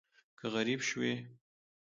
که غریب شوې